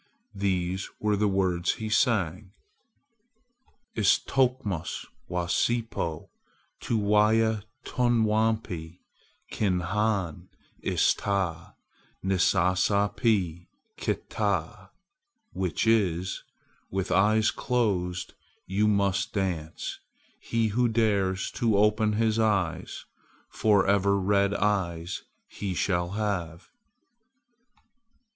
These were the words he sang: "Istokmus wacipo, tuwayatunwanpi kinhan ista nisasapi kta," which is, "With eyes closed you must dance. He who dares to open his eyes, forever red eyes shall have."